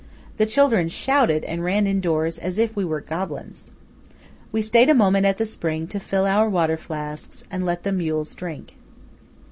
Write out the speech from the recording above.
The children shouted and ran indoors, as if we were goblins. We stayed a moment at the spring to fill our water flasks and let the mules drink.